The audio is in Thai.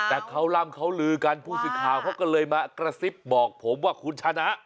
แต่เขาร่ำเขาลือกันผู้สื่อข่าวเขาก็เลยมากระซิบบอกผมว่าคุณชนะ